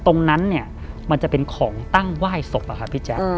ตรงนั้นเนี่ยมันจะเป็นของตั้งไหว้ศพอะครับพี่แจ๊ค